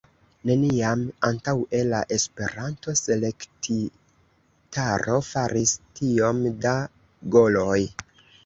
Neniam antaŭe la Esperanto-Selektitaro faris tiom da goloj.